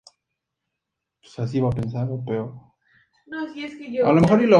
La canción marcó la quinta colaboración entre Drake y Khaled.